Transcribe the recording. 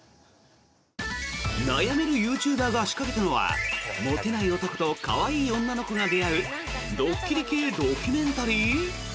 悩めるユーチューバーが仕掛けたのはモテない男と可愛い女の子が出会うドッキリ系ドキュメンタリー。